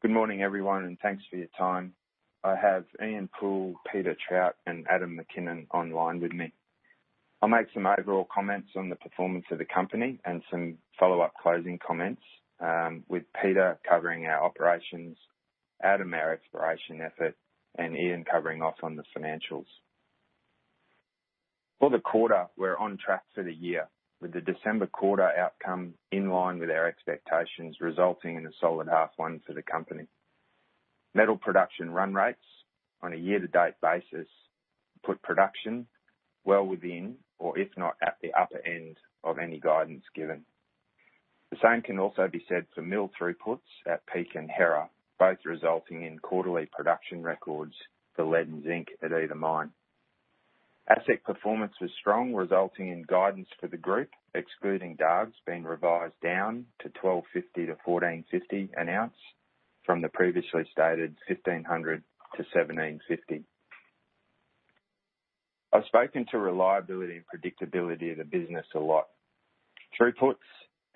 Good morning, everyone, and thanks for your time. I have Ian Poole, Peter Trout, and Adam McKinnon online with me. I'll make some overall comments on the performance of the company and some follow-up closing comments, with Peter covering our operations, Adam our exploration effort, and Ian covering off on the financials. For the quarter, we're on track for the year, with the December quarter outcome in line with our expectations, resulting in a solid half one for the company. Metal production run rates on a year-to-date basis put production well within, or if not at the upper end of any guidance given. The same can also be said for mill throughputs at Peak and Hera, both resulting in quarterly production records for lead and zinc at either mine. Asset performance was strong, resulting in guidance for the group, excluding Dargues, being revised down to 1,250-1,450 an ounce, from the previously stated 1,500-1,750. I've spoken to reliability and predictability of the business a lot. Throughputs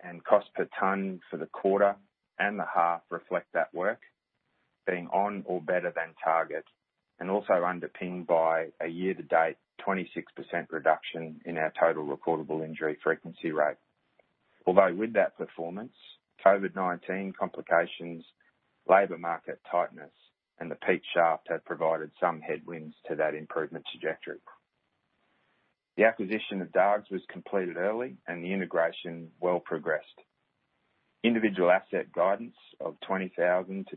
and cost per ton for the quarter and the half reflect that work, being on or better than target, and also underpinned by a year-to-date 26% reduction in our total recordable injury frequency rate. Although with that performance, COVID-19 complications, labor market tightness, and the Peak shaft have provided some headwinds to that improvement trajectory. The acquisition of Dargues was completed early and the integration well progressed. Individual asset guidance of 20,000-23,000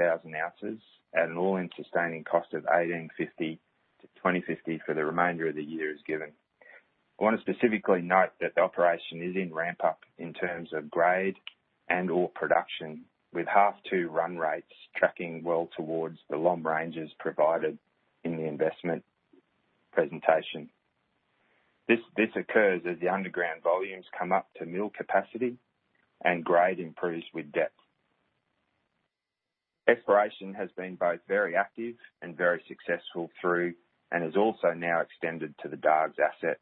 ounces at an all-in sustaining cost of 1,850-2,050 for the remainder of the year is given. I want to specifically note that the operation is in ramp up in terms of grade and ore production, with half 2 run rates tracking well towards the long ranges provided in the investment presentation. This occurs as the underground volumes come up to mill capacity and grade improves with depth. Exploration has been both very active and very successful through, and has also now extended to the Dargues asset.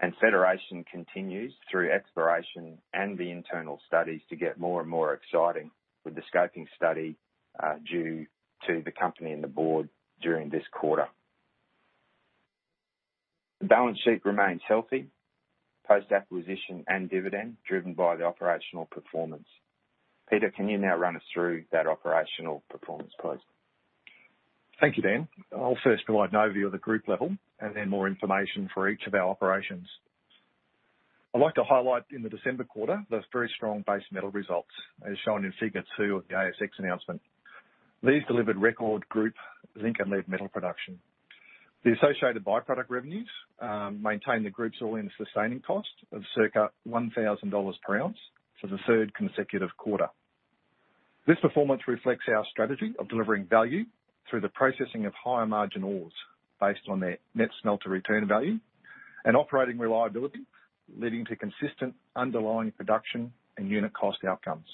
Feasibility continues through exploration and the internal studies to get more and more exciting with the Scoping Study due to the company and the board during this quarter. The balance sheet remains healthy, post-acquisition and dividend, driven by the operational performance. Peter, can you now run us through that operational performance, please? Thank you, Dan. I'll first provide an overview of the group level and then more information for each of our operations. I'd like to highlight in the December quarter, those very strong base metal results, as shown in figure two of the ASX announcement. These delivered record group zinc and lead metal production. The associated by-product revenues maintain the group's all-in sustaining cost of circa 1,000 dollars per ounce for the third consecutive quarter. This performance reflects our strategy of delivering value through the processing of higher margin ores based on their net smelter return value and operating reliability, leading to consistent underlying production and unit cost outcomes.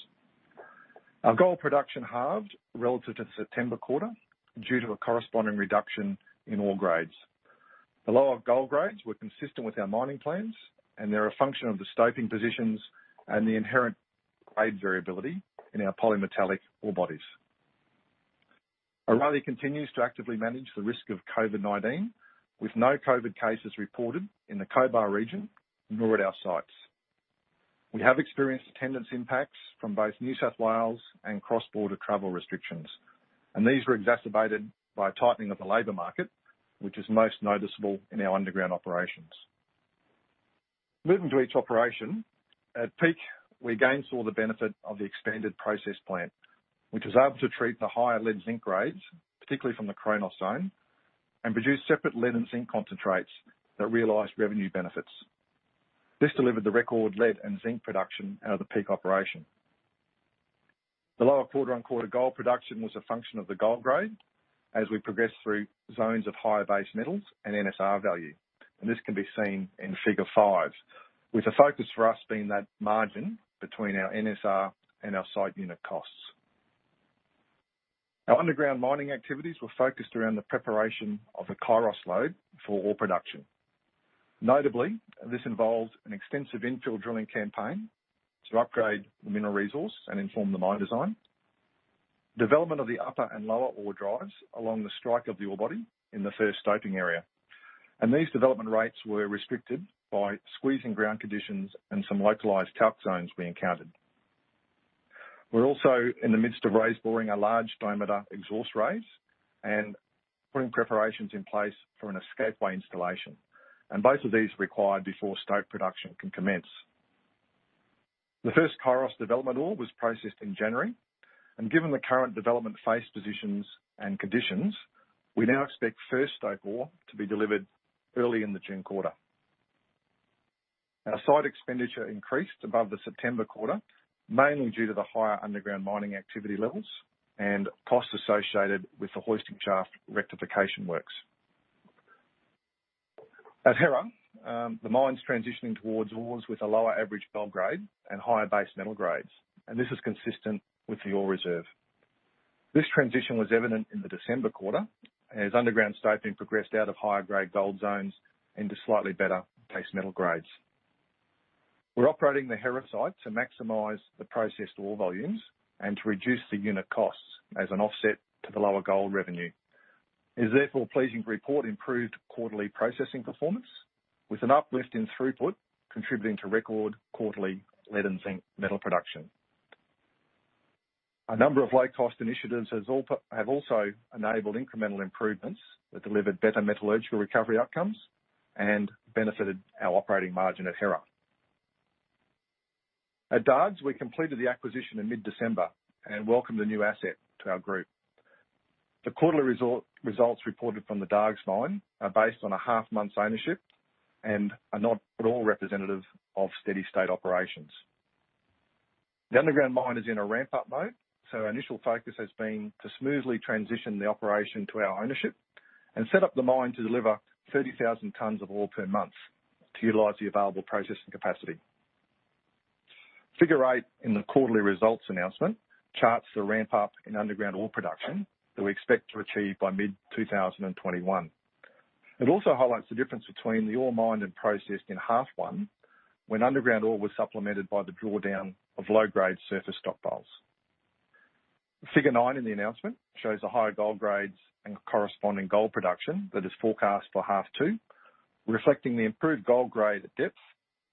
Our gold production halved relative to September quarter due to a corresponding reduction in ore grades. The lower gold grades were consistent with our mining plans, they're a function of the stoping positions and the inherent grade variability in our polymetallic ore bodies. Aurelia continues to actively manage the risk of COVID-19, with no COVID cases reported in the Cobar region, nor at our sites. We have experienced attendance impacts from both New South Wales and cross-border travel restrictions. These were exacerbated by a tightening of the labor market, which is most noticeable in our underground operations. Moving to each operation. At Peak, we again saw the benefit of the expanded process plant, which was able to treat the higher lead zinc grades, particularly from the Chronos zone, produce separate lead and zinc concentrates that realized revenue benefits. This delivered the record lead and zinc production out of the Peak operation. The lower quarter-on-quarter gold production was a function of the gold grade as we progressed through zones of higher base metals and NSR value. This can be seen in figure 5, with the focus for us being that margin between our NSR and our site unit costs. Our underground mining activities were focused around the preparation of the Chronos lode for ore production. Notably, this involved an extensive infill drilling campaign to upgrade the Mineral Resource and inform the mine design. Development of the upper and lower ore drives along the strike of the ore body in the first stoping area. These development rates were restricted by squeezing ground conditions and some localized talc zones we encountered. We are also in the midst of raise boring a large diameter exhaust raise and putting preparations in place for an escapeway installation. Both of these are required before stope production can commence. The first Chronos development ore was processed in January. Given the current development face positions and conditions, we now expect first stope ore to be delivered early in the June quarter. Our site expenditure increased above the September quarter, mainly due to the higher underground mining activity levels and costs associated with the hoisting shaft rectification works. At Hera, the mine's transitioning towards ores with a lower average gold grade and higher base metal grades. This is consistent with the Ore Reserve. This transition was evident in the December quarter as underground stoping progressed out of higher-grade gold zones into slightly better base metal grades. We're operating the Hera site to maximize the processed ore volumes and to reduce the unit costs as an offset to the lower gold revenue. It is therefore pleasing to report improved quarterly processing performance with an uplift in throughput contributing to record quarterly lead and zinc metal production. A number of low-cost initiatives have also enabled incremental improvements that delivered better metallurgical recovery outcomes and benefited our operating margin at Hera. At Dargues, we completed the acquisition in mid-December and welcomed the new asset to our group. The quarterly results reported from the Dargues mine are based on a half month's ownership and are not at all representative of steady state operations. Our initial focus has been to smoothly transition the operation to our ownership and set up the mine to deliver 30,000 tons of ore per month to utilize the available processing capacity. Figure 8 in the quarterly results announcement charts the ramp up in underground ore production that we expect to achieve by mid-2021. It also highlights the difference between the ore mined and processed in half one, when underground ore was supplemented by the drawdown of low-grade surface stockpiles. Figure 9 in the announcement shows the higher gold grades and corresponding gold production that is forecast for half two, reflecting the improved gold grade at depth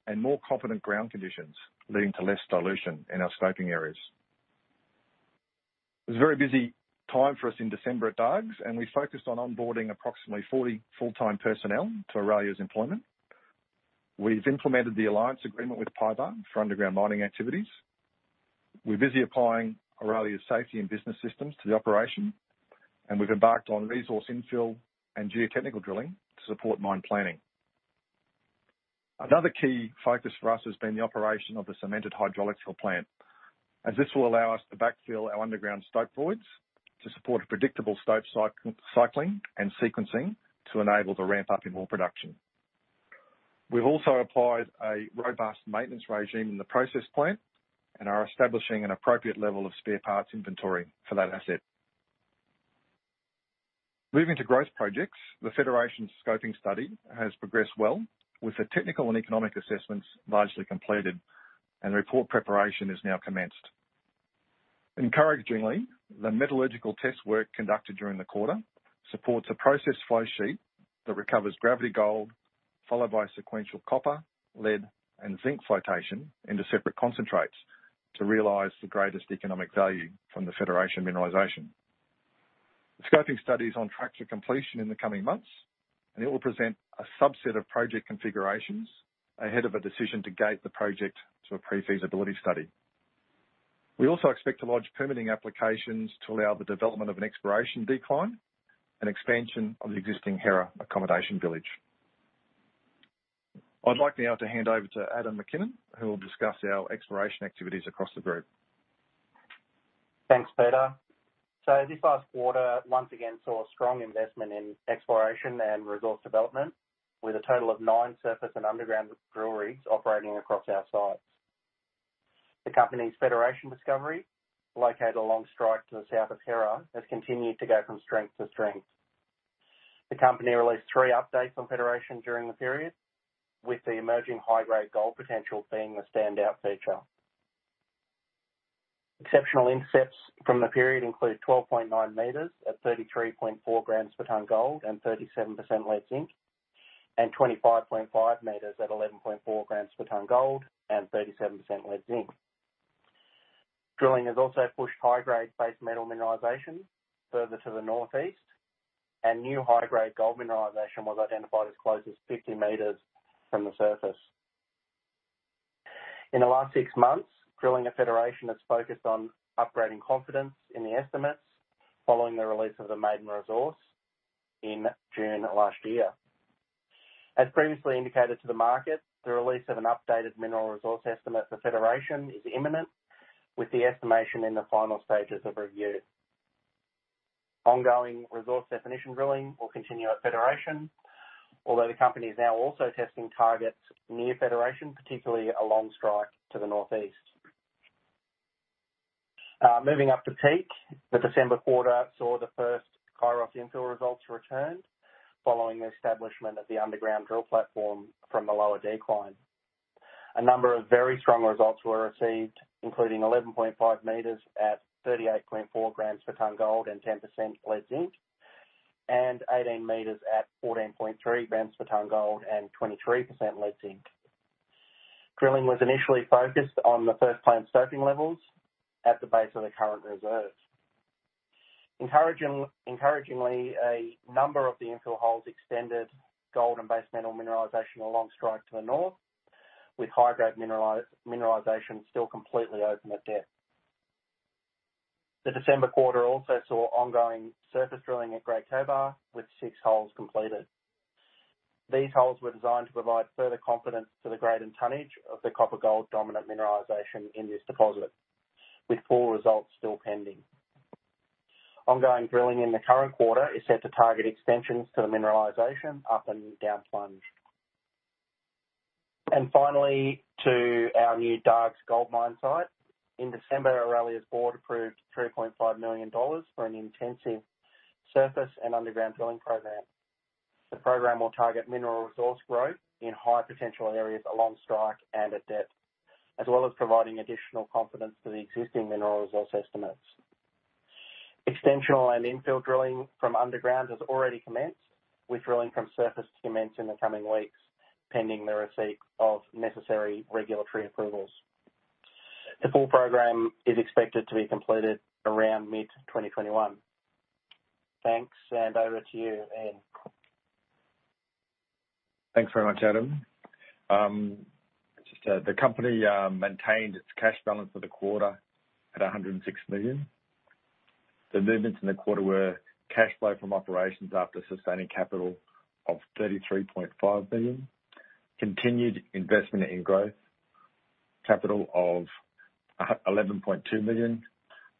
and more competent ground conditions, leading to less dilution in our scoping areas. It was a very busy time for us in December at Dargues, and we focused on onboarding approximately 40 full-time personnel to Aurelia's employment. We've implemented the alliance agreement with PYBAR for underground mining activities. We're busy applying Aurelia's safety and business systems to the operation, and we've embarked on resource infill and geotechnical drilling to support mine planning. Another key focus for us has been the operation of the cemented hydraulic fill plant, as this will allow us to backfill our underground stope voids to support a predictable stope cycling and sequencing to enable the ramp-up in ore production. We've also applied a robust maintenance regime in the process plant and are establishing an appropriate level of spare parts inventory for that asset. Moving to growth projects, the Federation Scoping Study has progressed well with the technical and economic assessments largely completed, and report preparation is now commenced. Encouragingly, the metallurgical test work conducted during the quarter supports a process flow sheet that recovers gravity gold, followed by sequential copper, lead, and zinc flotation into separate concentrates to realize the greatest economic value from the Federation mineralization. The Scoping Study is on track to completion in the coming months. It will present a subset of project configurations ahead of a decision to gate the project to a Pre-Feasibility Study. We also expect to lodge permitting applications to allow the development of an exploration decline and expansion of the existing Hera accommodation village. I'd like now to hand over to Adam McKinnon, who will discuss our exploration activities across the group. Thanks, Peter. This past quarter, once again, saw strong investment in exploration and resource development with a total of nine surface and underground drill rigs operating across our sites. The company's Federation discovery, located along strike to the south of Hera, has continued to go from strength to strength. The company released three updates on Federation during the period, with the emerging high-grade gold potential being the standout feature. Exceptional intercepts from the period include 12.9 meters at 33.4 grams per ton gold and 37% lead zinc, and 25.5 meters at 11.4 grams per ton gold and 37% lead zinc. Drilling has also pushed high-grade base metal mineralization further to the northeast, and new high-grade gold mineralization was identified as close as 50 meters from the surface. In the last six months, drilling at Federation has focused on upgrading confidence in the estimates following the release of the maiden Mineral Resource in June of last year. As previously indicated to the market, the release of an updated Mineral Resource estimate for Federation is imminent, with the estimation in the final stages of review. Ongoing resource definition drilling will continue at Federation, although the company is now also testing targets near Federation, particularly along strike to the northeast. Moving up to Peak, the December quarter saw the first Kairos infill results returned following the establishment of the underground drill platform from the lower decline. A number of very strong results were received, including 11.5 meters at 38.4 grams per ton gold and 10% lead zinc, and 18 meters at 14.3 grams per ton gold and 23% lead zinc. Drilling was initially focused on the first planned stoping levels at the base of the current reserve. Encouragingly, a number of the infill holes extended gold and base metal mineralization along strike to the north, with high-grade mineralization still completely open at depth. The December quarter also saw ongoing surface drilling at Great Cobar, with six holes completed. These holes were designed to provide further confidence to the grade and tonnage of the copper gold dominant mineralization in this deposit, with full results still pending. Ongoing drilling in the current quarter is set to target extensions to the mineralization up and down plunge. Finally, to our new Dargues gold mine site. In December, Aurelia's board approved 3.5 million dollars for an intensive surface and underground drilling program. The program will target Mineral Resource growth in high-potential areas along strike and at depth, as well as providing additional confidence for the existing Mineral Resource estimates. Extension and infill drilling from underground has already commenced, with drilling from surface to commence in the coming weeks, pending the receipt of necessary regulatory approvals. The full program is expected to be completed around mid-2021. Thanks, and over to you, Ian. Thanks very much, Adam. Just the company maintained its cash balance for the quarter at 106 million. The movements in the quarter were cash flow from operations after sustaining capital of 33.5 million. Continued investment in growth capital of 11.2 million.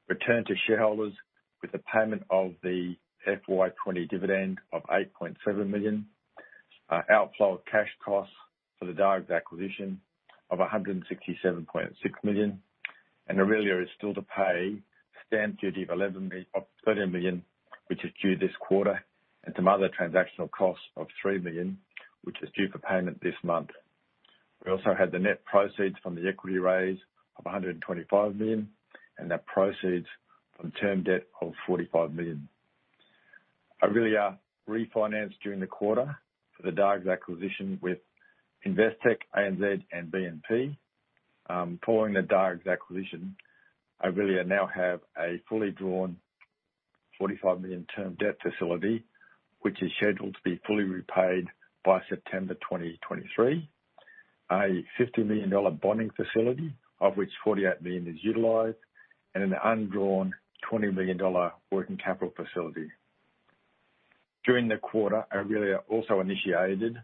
Return to shareholders with a payment of the FY20 dividend of 8.7 million. Outflow of cash costs for the Dargues acquisition of 167.6 million. Aurelia is still to pay stamp duty of 30 million, which is due this quarter, and some other transactional costs of three million, which is due for payment this month. We also had the net proceeds from the equity raise of 125 million, and the proceeds from term debt of 45 million. Aurelia refinanced during the quarter for the Dargues acquisition with Investec, ANZ, and BNP. Following the Dargues acquisition, Aurelia now have a fully drawn 45 million term debt facility, which is scheduled to be fully repaid by September 2023. A 50 million dollar bonding facility, of which 48 million is utilized, and an undrawn 20 million dollar working capital facility. During the quarter, Aurelia also initiated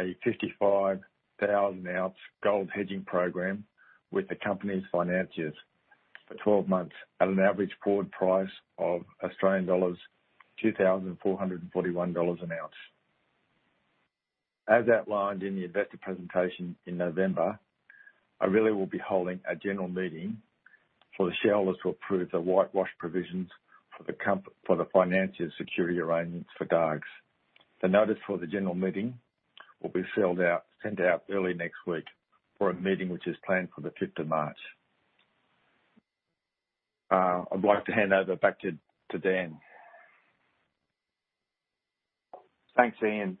a 55,000-ounce gold hedging program with the company's financiers for 12 months at an average forward price of Australian dollars, 2,441 dollars an ounce. As outlined in the investor presentation in November, Aurelia will be holding a general meeting for the shareholders to approve the whitewash provisions for the financiers security arrangements for Dargues. The notice for the general meeting will be sent out early next week for a meeting which is planned for the 5th of March. I'd like to hand over back to Dan. Thanks, Ian.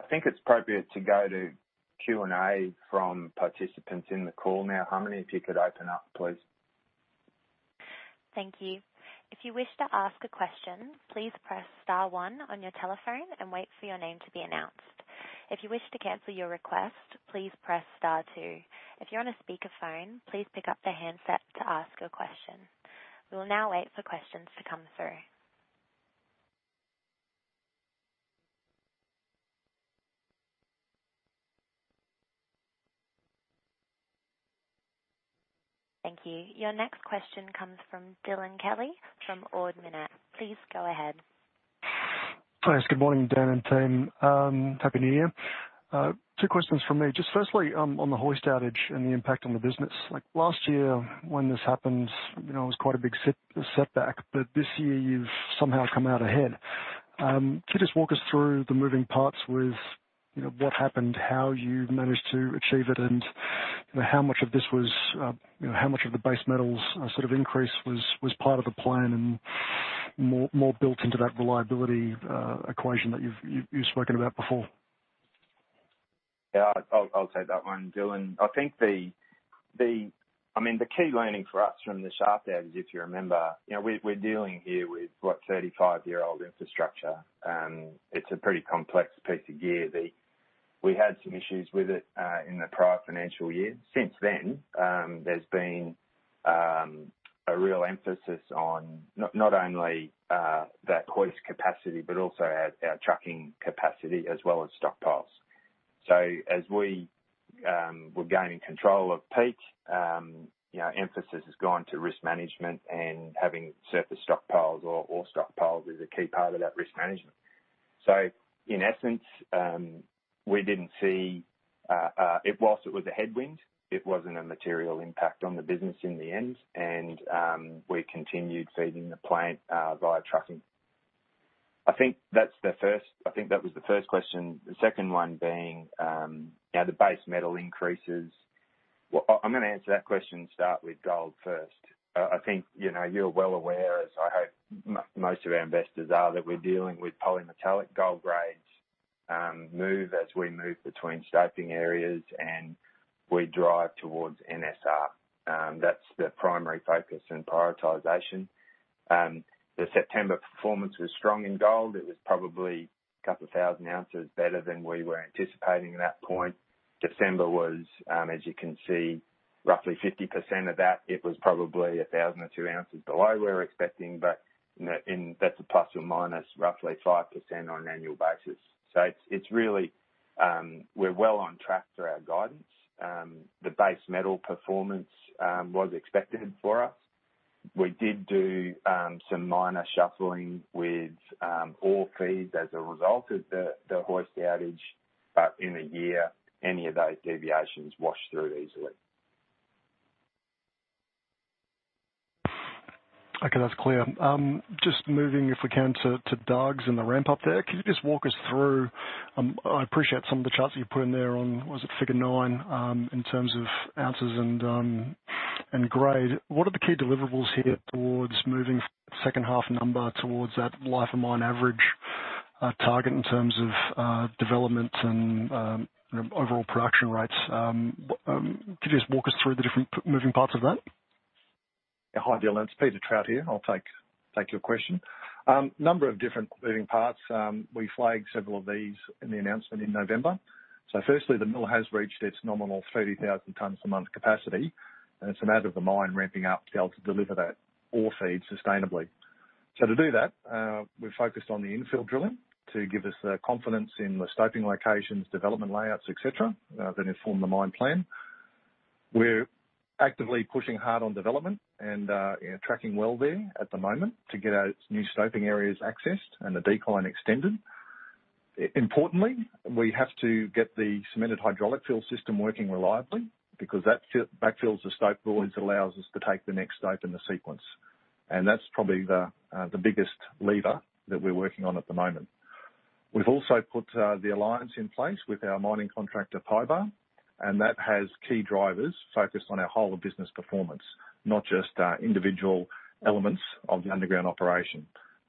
I think it's appropriate to go to Q&A from participants in the call now. Harmony, if you could open up, please. Your next question comes from Dylan Kelly from Ord Minnett. Please go ahead. Thanks. Good morning, Dan and team. Happy New Year. Two questions from me. Just firstly, on the hoist outage and the impact on the business. Last year when this happened, it was quite a big setback, but this year you've somehow come out ahead. Can you just walk us through the moving parts with what happened, how you've managed to achieve it, and how much of the base metals increase was part of the plan and more built into that reliability equation that you've spoken about before? Yeah, I'll take that one, Dylan. The key learning for us from the shaft outage, if you remember, we're dealing here with 35-year-old infrastructure. It's a pretty complex piece of gear. We had some issues with it in the prior financial year. Since then, there's been a real emphasis on not only that hoist capacity, but also our trucking capacity as well as stockpiles. As we were gaining control of Peak, emphasis has gone to risk management and having surface stockpiles or ore stockpiles is a key part of that risk management. In essence, whilst it was a headwind, it wasn't a material impact on the business in the end, and we continued feeding the plant via trucking. I think that was the first question. The second one being, the base metal increases. I'm going to answer that question and start with gold first. I think you're well aware, as I hope most of our investors are, that we're dealing with polymetallic gold grades move as we move between scoping areas and we drive towards NSR. That's the primary focus and prioritization. The September performance was strong in gold. It was probably 2,000 ounces better than we were anticipating at that point. December was, as you can see, roughly 50% of that. It was probably 1,000 ounces below we were expecting. That's a plus or minus roughly 5% on an annual basis. We're well on track for our guidance. The base metal performance was expected for us. We did do some minor shuffling with ore feeds as a result of the hoist outage. In a year, any of those deviations wash through easily. Okay, that's clear. Just moving, if we can, to Dargues and the ramp up there. Can you just walk us through I appreciate some of the charts that you put in there on, was it figure nine, in terms of ounces and grade. What are the key deliverables here towards moving second half number towards that life of mine average target in terms of development and overall production rates? Can you just walk us through the different moving parts of that? Yeah. Hi, Dylan. It's Peter Trout here. I'll take your question. Number of different moving parts. We flagged several of these in the announcement in November. Firstly, the mill has reached its nominal 30,000 tons a month capacity, and it's a matter of the mine ramping up to be able to deliver that ore feed sustainably. To do that, we're focused on the infill drilling to give us the confidence in the scoping locations, development layouts, et cetera, that inform the mine plan. We're actively pushing hard on development and tracking well there at the moment to get our new scoping areas accessed and the decline extended. Importantly, we have to get the cemented hydraulic fill system working reliably because that backfills the stope voids, allows us to take the next stope in the sequence. That's probably the biggest lever that we're working on at the moment. We've also put the alliance in place with our mining contractor, PYBAR. That has key drivers focused on our whole of business performance, not just individual elements of the underground operation.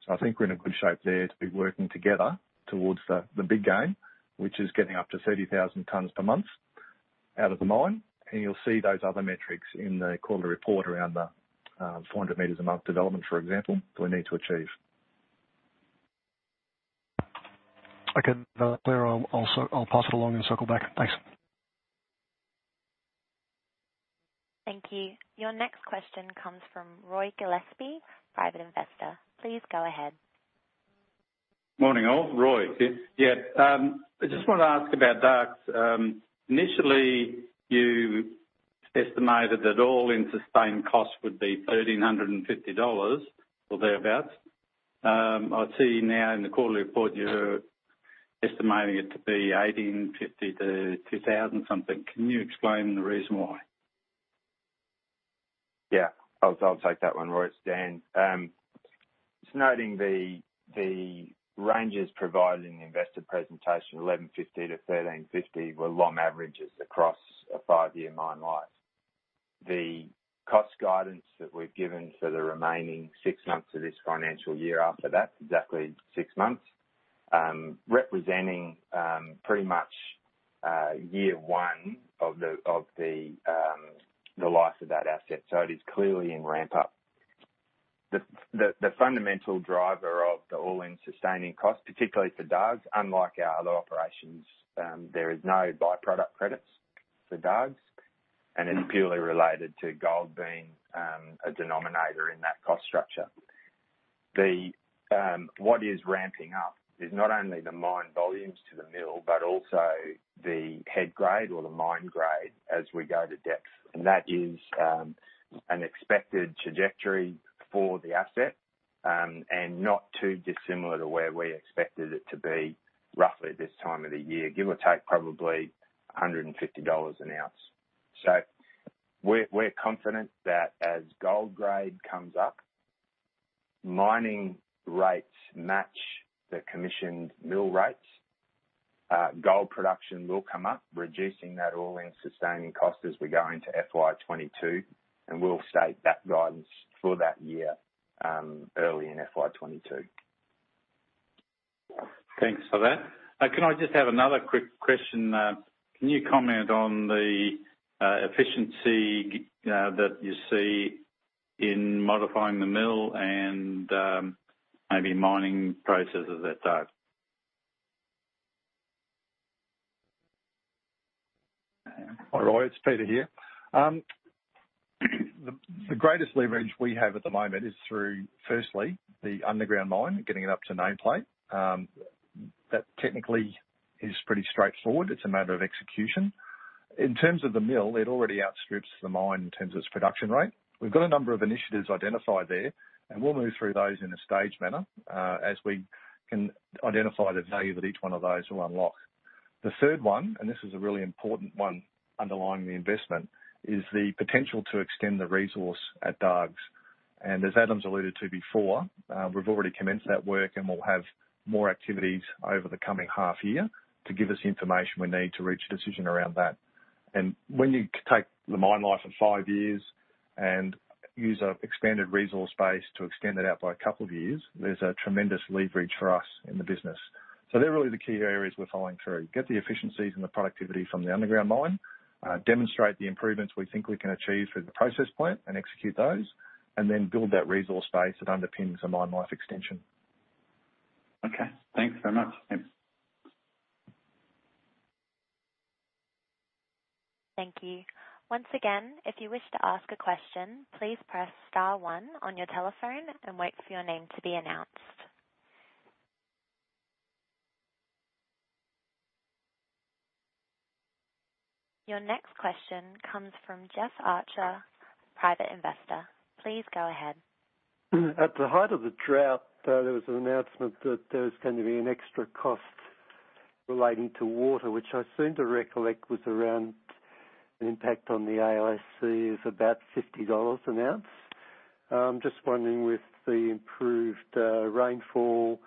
I think we're in a good shape there to be working together towards the big game, which is getting up to 30,000 tons per month out of the mine, and you'll see those other metrics in the quarterly report around the 400 meters a month development, for example, that we need to achieve. Okay. That's clear. I'll pass it along and circle back. Thanks. Thank you. Your next question comes from Roy Gillespie, private investor. Please go ahead. Morning all. Roy here. Yeah. I just want to ask about Dargues. Initially, you estimated that all-in-sustaining costs would be 1,350 dollars or thereabout. I see now in the quarterly report you're estimating it to be 1,850 to 2,000 something. Can you explain the reason why? Yeah. I'll take that one, Roy. It's Dan. Just noting the ranges provided in the investor presentation, 1,150-1,350, were long averages across a 5-year mine life. The cost guidance that we've given for the remaining six months of this financial year after that, exactly six months, representing pretty much year one of the life of that asset. It is clearly in ramp up. The fundamental driver of the all-in sustaining cost, particularly for Dargues, unlike our other operations, there is no by-product credits for Dargues, and it's purely related to gold being a denominator in that cost structure. What is ramping up is not only the mine volumes to the mill, but also the head grade or the mine grade as we go to depth. That is an expected trajectory for the asset, not too dissimilar to where we expected it to be roughly this time of the year, give or take probably 150 dollars an ounce. We're confident that as gold grade comes up, mining rates match the commissioned mill rates. Gold production will come up, reducing that all-in sustaining cost as we go into FY22, and we'll state that guidance for that year, early in FY22. Thanks for that. Can I just have another quick question? Can you comment on the efficiency that you see in modifying the mill and maybe mining processes at Dargues? Hi, Roy. It's Peter here. The greatest leverage we have at the moment is through, firstly, the underground mine, getting it up to nameplate. That technically is pretty straightforward. It's a matter of execution. In terms of the mill, it already outstrips the mine in terms of its production rate. We've got a number of initiatives identified there. We'll move through those in a staged manner, as we can identify the value that each one of those will unlock. The third one, this is a really important one underlying the investment, is the potential to extend the resource at Dargues. As Adam's alluded to before, we've already commenced that work. We'll have more activities over the coming half year to give us the information we need to reach a decision around that. When you take the mine life of five years and use an expanded resource base to extend it out by a couple of years, there's a tremendous leverage for us in the business. They're really the key areas we're following through. Get the efficiencies and the productivity from the underground mine, demonstrate the improvements we think we can achieve through the process plant and execute those, and then build that resource base that underpins a mine life extension. Okay. Thanks very much. Thanks. Thank you. Once again, if you wish to ask a question, please press star one on your telephone and wait for your name to be announced. Your next question comes from Jeff Archer, private investor. Please go ahead. At the height of the drought, there was an announcement that there was going to be an extra cost. Relating to water, which I seem to recollect was around an impact on the AISC of about 50 dollars an ounce. I'm just wondering with the improved rainfall,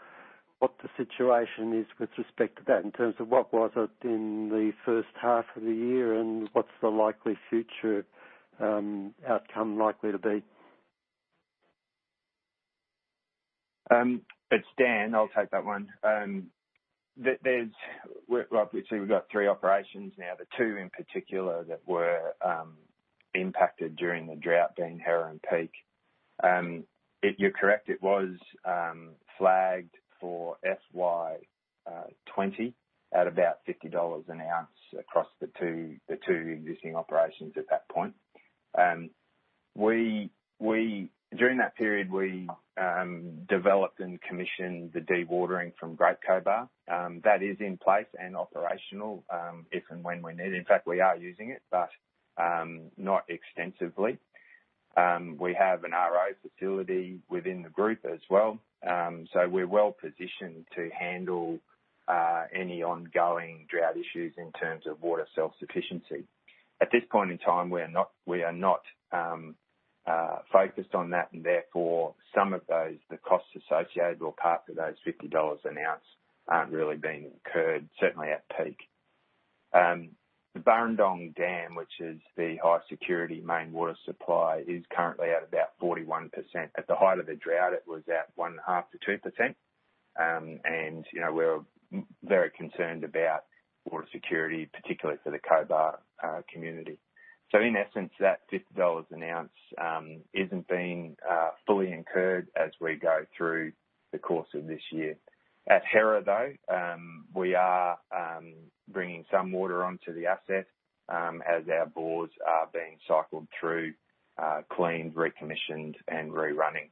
what the situation is with respect to that in terms of what was it in the first half of the year and what's the likely future outcome likely to be? It's Dan. I'll take that one. Obviously, we've got three operations now. The two in particular that were impacted during the drought being Hera and Peak. You're correct, it was flagged for FY20 at about 50 dollars an ounce across the two existing operations at that point. During that period, we developed and commissioned the dewatering from Great Cobar. That is in place and operational, if and when we need it. In fact, we are using it, but not extensively. We have an RO facility within the group as well. We're well-positioned to handle any ongoing drought issues in terms of water self-sufficiency. At this point in time, we are not focused on that, and therefore some of those, the costs associated or part of those 50 dollars an ounce aren't really being incurred, certainly at Peak. The Burrendong Dam, which is the high security main water supply, is currently at about 41%. At the height of the drought, it was at 0.5%-2%. We're very concerned about water security, particularly for the Cobar community. In essence, that 50 dollars an ounce isn't being fully incurred as we go through the course of this year. At Hera, though, we are bringing some water onto the asset, as our bores are being cycled through, cleaned, recommissioned, and rerunning.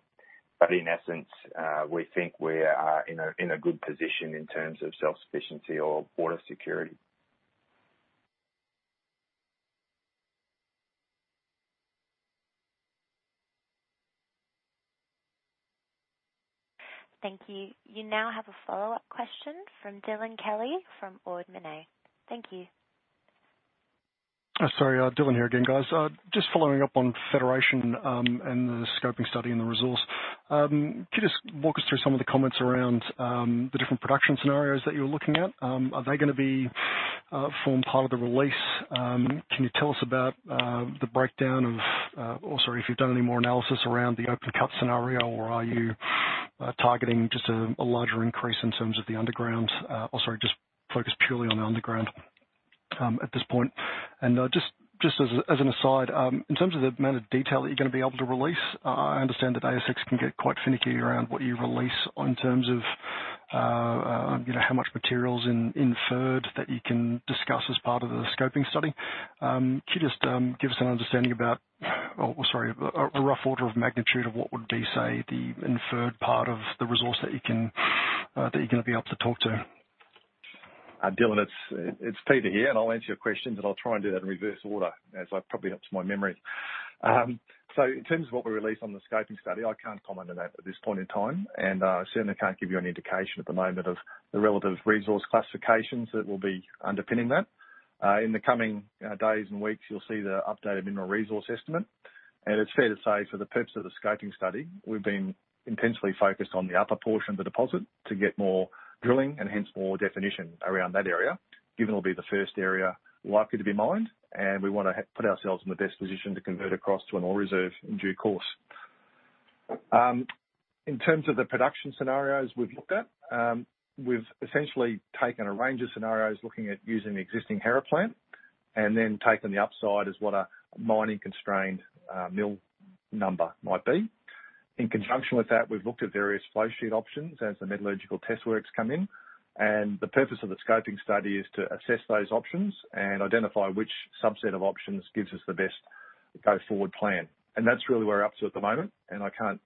In essence, we think we are in a good position in terms of self-sufficiency or water security. Thank you. You now have a follow-up question from Dylan Kelly from Ord Minnett. Thank you. Sorry, Dylan here again, guys. Just following up on Federation and the Scoping Study and the resource. Could you just walk us through some of the comments around the different production scenarios that you're looking at? Are they going to form part of the release? Can you tell us about the breakdown of sorry if you've done any more analysis around the open cut scenario, or are you targeting just a larger increase in terms of the underground, sorry, just focused purely on the underground at this point? Just as an aside, in terms of the amount of detail that you're going to be able to release, I understand that ASX can get quite finicky around what you release in terms of how much material's inferred that you can discuss as part of the Scoping Study. Could you just give us an understanding about, or, sorry, a rough order of magnitude of what would be, say, the inferred part of the resource that you're going to be able to talk to? Dylan, it's Peter here, and I'll answer your questions, and I'll try and do that in reverse order as I probably helped my memory. In terms of what we released on the Scoping Study, I can't comment on that at this point in time, and I certainly can't give you an indication at the moment of the relative resource classifications that will be underpinning that. In the coming days and weeks, you'll see the updated Mineral Resource estimate. It's fair to say for the purpose of the Scoping Study, we've been intensely focused on the upper portion of the deposit to get more drilling and hence more definition around that area, given it'll be the first area likely to be mined, and we want to put ourselves in the best position to convert across to an Ore Reserve in due course. In terms of the production scenarios we've looked at, we've essentially taken a range of scenarios looking at using the existing Hera plant and then taken the upside as what a mining constrained mill number might be. In conjunction with that, we've looked at various flow sheet options as the metallurgical test works come in, and the purpose of the Scoping Study is to assess those options and identify which subset of options gives us the best go-forward plan. That's really where we're up to at the moment, and I can't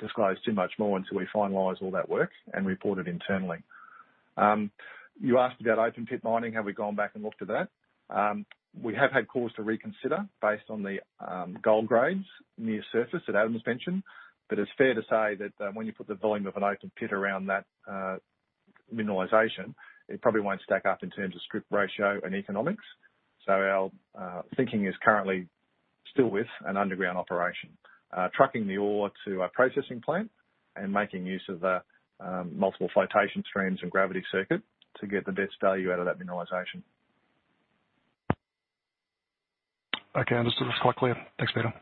disclose too much more until we finalize all that work and report it internally. You asked about open pit mining. Have we gone back and looked at that? We have had cause to reconsider based on the gold grades near surface that Adam's mentioned. It's fair to say that when you put the volume of an open pit around that mineralization, it probably won't stack up in terms of strip ratio and economics. Our thinking is currently still with an underground operation. Trucking the ore to our processing plant and making use of the multiple flotation streams and gravity circuit to get the best value out of that mineralization. Okay. Understood. It is quite clear. Thanks, Peter.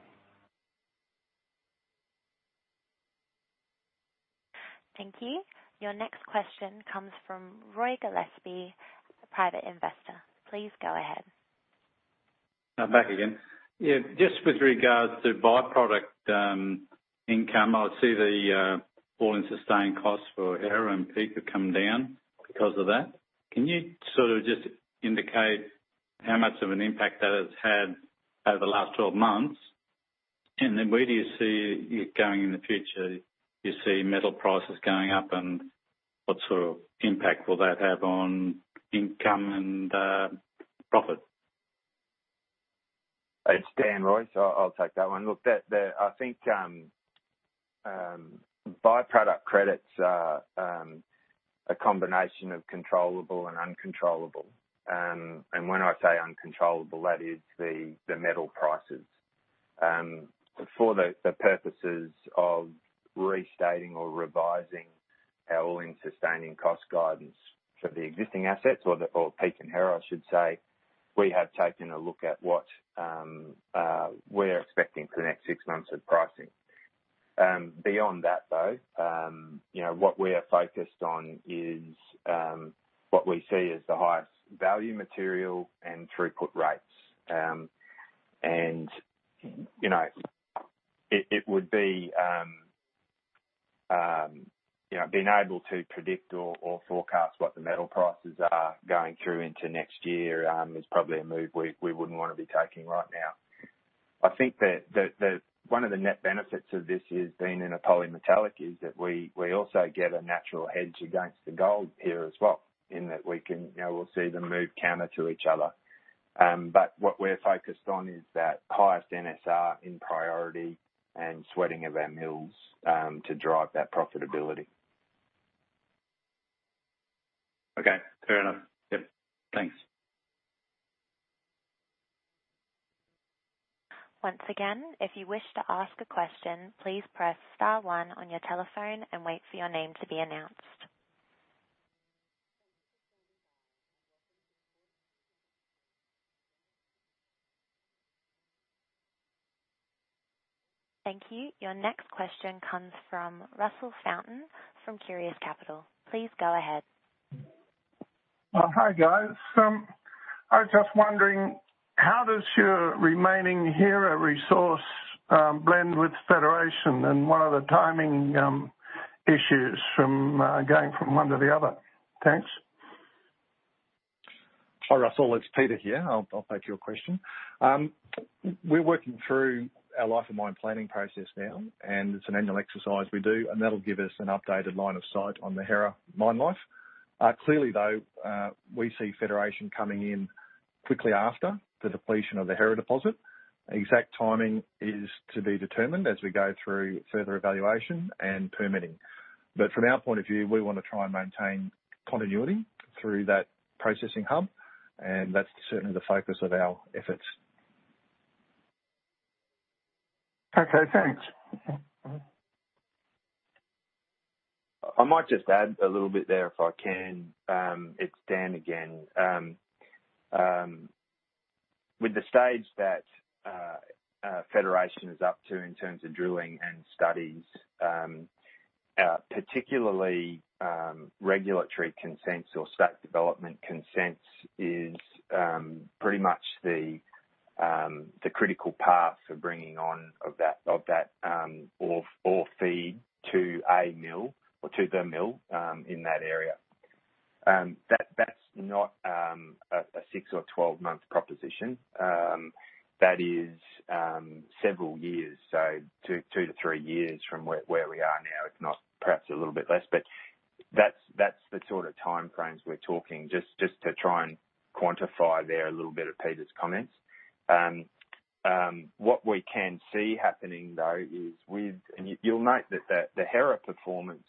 Thank you. Your next question comes from Roy Gillespie, a private investor. Please go ahead. I'm back again. Yeah, just with regards to by-product income, I see the all-in sustaining cost for Hera and Peak have come down because of that. Can you sort of just indicate how much of an impact that has had over the last 12 months? Where do you see it going in the future? Do you see metal prices going up, and what sort of impact will that have on income and profit? It's Dan, Roy. I'll take that one. I think by-product credits are a combination of controllable and uncontrollable. When I say uncontrollable, that is the metal prices. For the purposes of restating or revising our all-in sustaining cost guidance for the existing assets or Peak and Hera, I should say, we have taken a look at what we're expecting for the next six months of pricing. Beyond that, though, what we are focused on is what we see as the highest value material and throughput rates. Being able to predict or forecast what the metal prices are going through into next year, is probably a move we wouldn't want to be taking right now. I think that one of the net benefits of this is being in a polymetallic is that we also get a natural hedge against the gold here as well in that we'll see them move counter to each other. What we're focused on is that highest NSR in priority and sweating of our mills to drive that profitability. Okay. Fair enough. Yep. Thanks. Once again, if you wish to ask a question, please press star one on your telephone and wait for your name to be announced. Thank you. Your next question comes from Russell Fountain from Curious Capital. Please go ahead. Hi guys. I was just wondering, how does your remaining Hera resource blend with Federation and what are the timing issues from going from one to the other? Thanks. Hi, Russell. It's Peter here. I'll take your question. We're working through our life of mine planning process now, and it's an annual exercise we do, and that'll give us an updated line of sight on the Hera mine life. Clearly, though, we see Federation coming in quickly after the depletion of the Hera deposit. Exact timing is to be determined as we go through further evaluation and permitting. From our point of view, we want to try and maintain continuity through that processing hub, and that's certainly the focus of our efforts. Okay, thanks. I might just add a little bit there if I can. It's Dan again. With the stage that Federation is up to in terms of drilling and studies, particularly regulatory consents or State development consent is pretty much the critical path of bringing on of that ore feed to a mill or to the mill in that area. That's not a six or 12-month proposition. That is several years. 2-3 years from where we are now, if not perhaps a little bit less. That's the sort of time frames we're talking, just to try and quantify there a little bit of Peter's comments. What we can see happening, though, is. You'll note that the Hera performance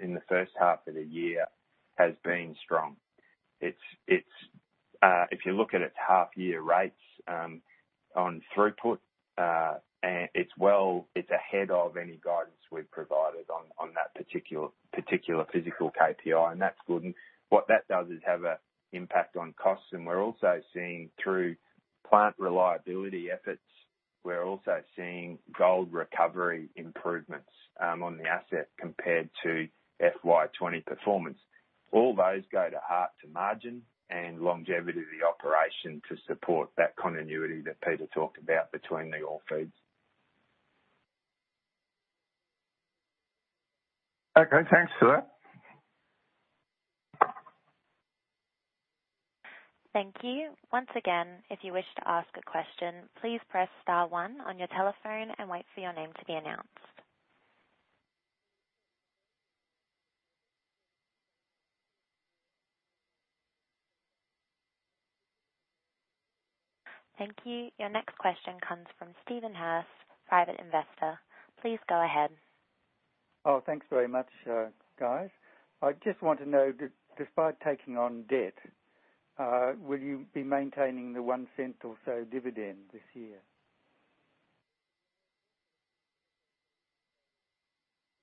in the first half of the year has been strong. If you look at its half-year rates on throughput, it's ahead of any guidance we've provided on that particular physical KPI, that's good. What that does is have an impact on costs. We're also seeing through plant reliability efforts, we're also seeing gold recovery improvements on the asset compared to FY 2020 performance. All those go to heart to margin and longevity of the operation to support that continuity that Peter talked about between the ore feeds. Okay, thanks for that. Thank you. Once again, if you wish to ask a question, please press star one on your telephone and wait for your name to be announced. Thank you. Your next question comes from Steven Hurst, private investor. Please go ahead. Oh, thanks very much, guys. I just want to know, despite taking on debt, will you be maintaining the 0.01 or so dividend this year?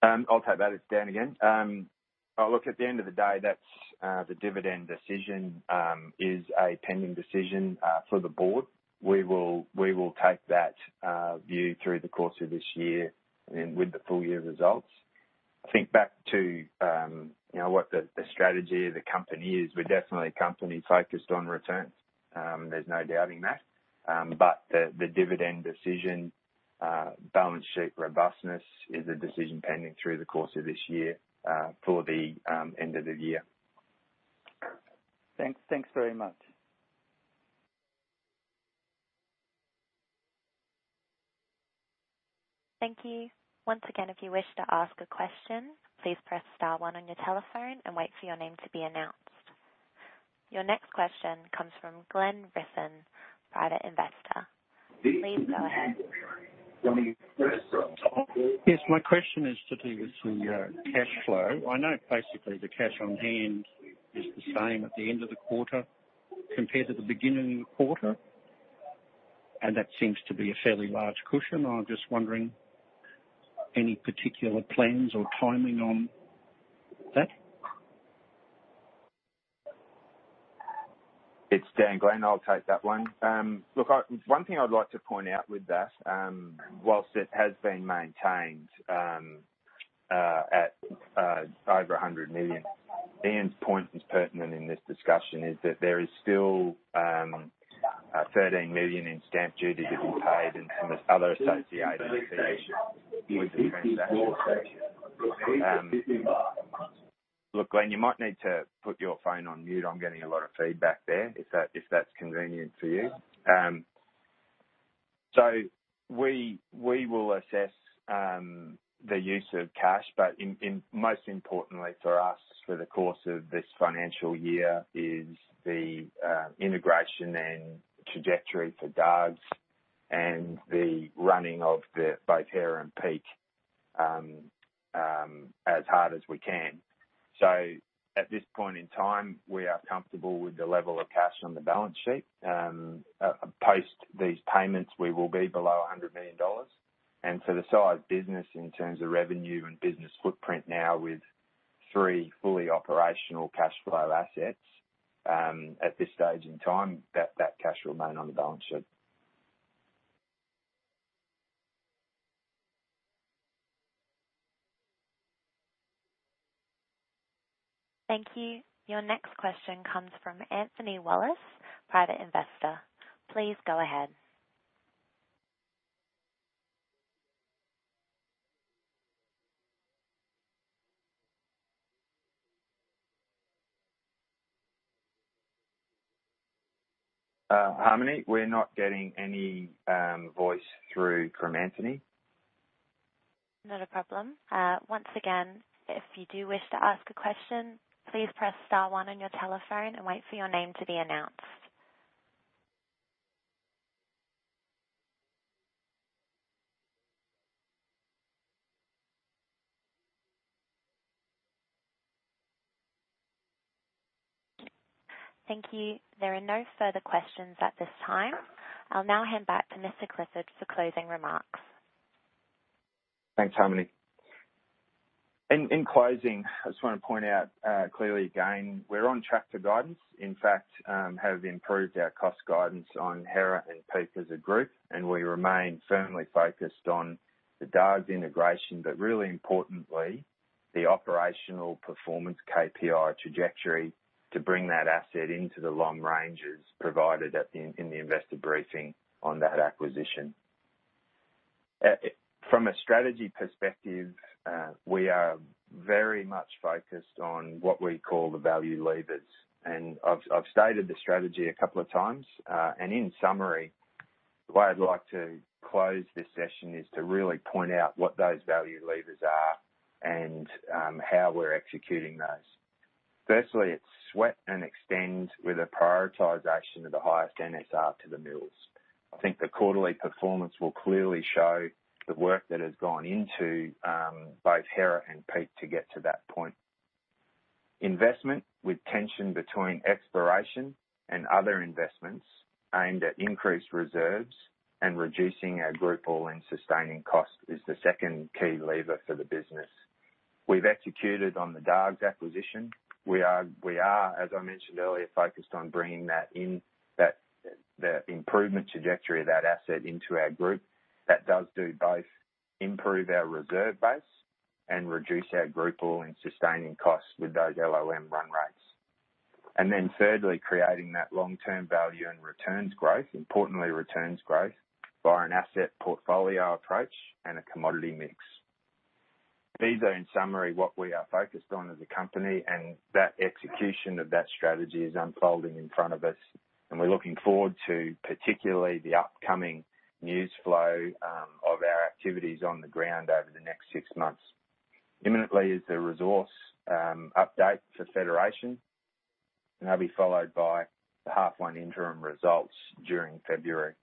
I'll take that. It's Dan again. Oh, look, at the end of the day, that's the dividend decision is a pending decision for the board. We will take that view through the course of this year and with the full-year results. I think back to what the strategy of the company is. We're definitely a company focused on returns. There's no doubting that. The dividend decision, balance sheet robustness is a decision pending through the course of this year for the end of the year. Thanks very much. Thank you. Once again, if you wish to ask a question, please press star one on your telephone and wait for your name to be announced. Your next question comes from Glenn Rissen, private investor. Please go ahead. Yes. My question is to do with the cash flow. I know basically the cash on hand is the same at the end of the quarter compared to the beginning of the quarter, and that seems to be a fairly large cushion. I'm just wondering, any particular plans or timing on that? It's Dan, Glenn. I'll take that one. One thing I'd like to point out with that, whilst it has been maintained at over 100 million, Ian's point is pertinent in this discussion is that there is still 11 million in stamp duty to be paid and some other associated fees with the transaction. Glenn, you might need to put your phone on mute. I'm getting a lot of feedback there, if that's convenient for you. We will assess the use of cash, but most importantly for us for the course of this financial year is the integration and trajectory for Dargues and the running of both Hera and Peak as hard as we can. At this point in time, we are comfortable with the level of cash on the balance sheet. Post these payments, we will be below 100 million dollars. For the size of business in terms of revenue and business footprint now with three fully operational cash flow assets, at this stage in time, that cash will remain on the balance sheet. Thank you. Your next question comes from Anthony Wallace, private investor. Please go ahead. Harmony, we're not getting any voice through from Anthony. Not a problem. Once again, if you do wish to ask a question, please press star one on your telephone and wait for your name to be announced. Thank you. There are no further questions at this time. I will now hand back to Mr Clifford for closing remarks. Thanks, Harmony. In closing, I just want to point out clearly again, we're on track to guidance. In fact, have improved our cost guidance on Hera and Peak as a group, and we remain firmly focused on the Dargues integration, but really importantly, the operational performance KPI trajectory to bring that asset into the long ranges provided in the investor briefing on that acquisition. From a strategy perspective, we are very much focused on what we call the value levers. I've stated the strategy a couple of times, and in summary, the way I'd like to close this session is to really point out what those value levers are and how we're executing those. Firstly, it's sweat and extend with a prioritization of the highest NSR to the mills. I think the quarterly performance will clearly show the work that has gone into both Hera and Peak to get to that point. Investment with tension between exploration and other investments aimed at increased reserves and reducing our group all-in sustaining cost is the second key lever for the business. We've executed on the Dargues acquisition. We are, as I mentioned earlier, focused on bringing the improvement trajectory of that asset into our group. That does do both improve our reserve base and reduce our group all-in sustaining costs with those LOM run rates. Thirdly, creating that long-term value in returns growth, importantly returns growth, by an asset portfolio approach and a commodity mix. These are in summary, what we are focused on as a company, and that execution of that strategy is unfolding in front of us, and we're looking forward to particularly the upcoming news flow of our activities on the ground over the next six months. Imminently is the resource update for Federation, and that'll be followed by the half one interim results during February.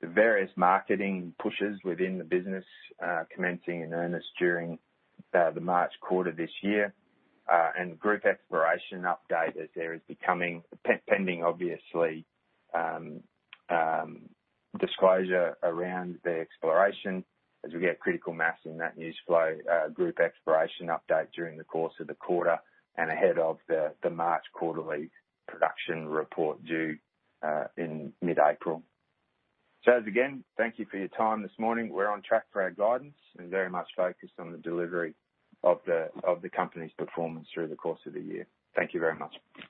The various marketing pushes within the business, commencing in earnest during the March quarter this year, and the group exploration update as there is becoming, pending, obviously, disclosure around the exploration as we get critical mass in that news flow group exploration update during the course of the quarter and ahead of the March quarterly production report due in mid-April. Again, thank you for your time this morning. We're on track for our guidance and very much focused on the delivery of the company's performance through the course of the year. Thank you very much.